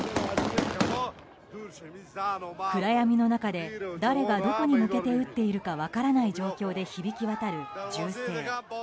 暗闇の中で誰がどこに向けて撃っているか分からない状況で響き渡る銃声。